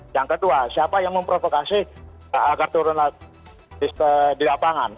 yang kedua siapa yang memprovokasi agar turun di lapangan